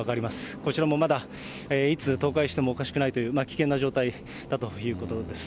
こちらもまだいつ、倒壊してもおかしくないという、危険な状態だということです。